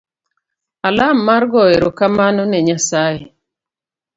Alam mar goyo erokamano ne nyasaye.